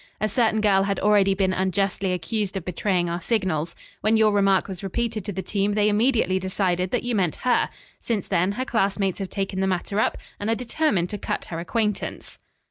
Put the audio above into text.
A certain girl had already been unjustly accused of betraying our signals. When your remark was repeated to the team, they immediately decided that you meant her. Since then her classmates have taken the matter up and are determined to cut her acquaintance."